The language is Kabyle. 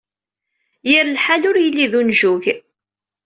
Yir lḥal ur yelli d unjug.